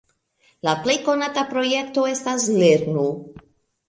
La plej konata projekto estas "lernu!".